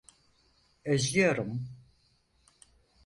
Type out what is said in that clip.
Özlüyorum.